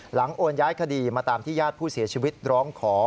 โอนย้ายคดีมาตามที่ญาติผู้เสียชีวิตร้องขอ